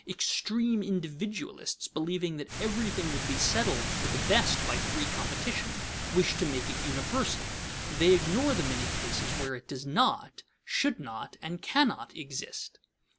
Extreme individualists, believing that everything would be settled for the best by free competition, wish to make it universal. They ignore the many cases where it does not, should not, and cannot exist.